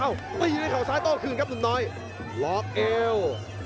ตีด้วยเขาซ้ายโต้คืนครับหนุ่มน้อยล็อกเอว